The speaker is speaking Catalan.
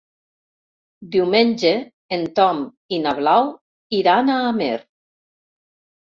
Diumenge en Tom i na Blau iran a Amer.